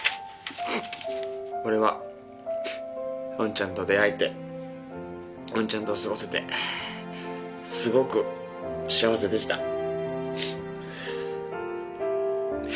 「俺はウォンちゃんと出会えてウォンちゃんと過ごせてすごく幸せでした」。